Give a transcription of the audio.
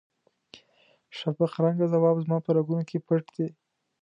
شفق رنګه ځواب زما په رګونو کې پټ دی.